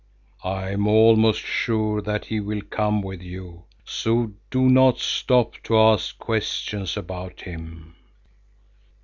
I am almost sure that he will come with you, so do not stop to ask questions about him."